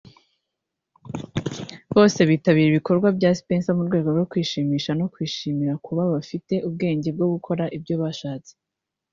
Bose bitabira ibikorwa bya Spencer mu rwego rwo kwishimisha no kwishimira kuba bafite ubwigenge bwo gukora ibyo bashatse